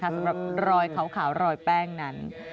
สำหรับรอยขาวรอยแป้งนั้น